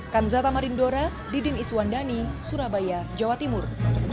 kanzata marindora di din iswandani surabaya jawa timur